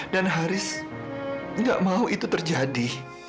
dan haris nggak mau itu terjadi